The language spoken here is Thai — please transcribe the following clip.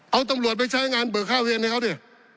เอาตำรวจไปใช้งานเบิกค่าเวียนให้เขาดิ